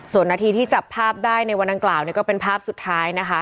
ส่วนนาทีที่จับภาพได้ในวันอังกล่าวเนี่ยก็เป็นภาพสุดท้ายนะคะ